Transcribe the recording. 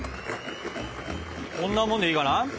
こんなもんでいいかな？